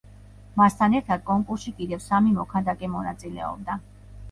მასთან ერთად კონკურსში კიდევ სამი მოქანდაკე მონაწილეობდა.